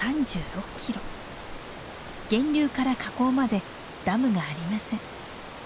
源流から河口までダムがありません。